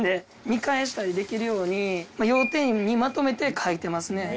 見返したりできるように要点にまとめて書いてますね。